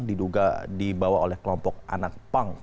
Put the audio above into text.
diduga dibawa oleh kelompok anak pang